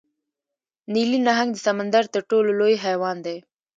نیلي نهنګ د سمندر تر ټولو لوی حیوان دی